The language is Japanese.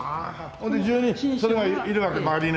それで十二それがいるわけ周りにね。